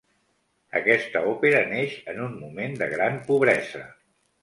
Aquesta òpera neix en un moment de gran pobresa.